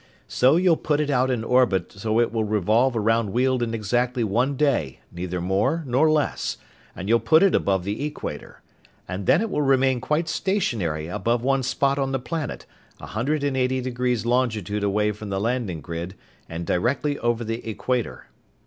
"So you'll put it out in orbit so it will revolve around Weald in exactly one day, neither more nor less, and you'll put it above the equator. And then it will remain quite stationary above one spot on the planet, a hundred and eighty degrees longitude away from the landing grid and directly over the equator."